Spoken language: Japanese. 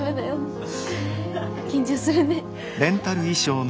緊張するね。